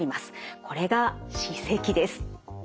これが歯石です。